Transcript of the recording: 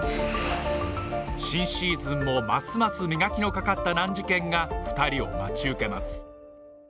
新シーズンもますます磨きのかかった難事件が２人を待ち受けます